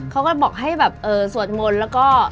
เขาก็บอกให้แบบสวดมนต์แล้วก็